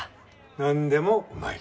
何でもうまい。